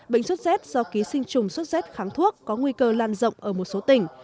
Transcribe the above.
bệnh suất xét do ký sinh trùng suất xét kháng thuốc có nguy cơ lan rộng ở một số tỉnh